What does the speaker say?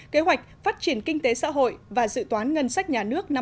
kế hoạch phát triển kinh tế xã hội và dự toán ngân sách